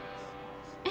え？